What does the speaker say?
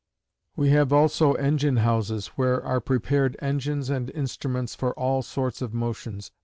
"We have also engine houses, where are prepared engines and instruments for all sorts of motions.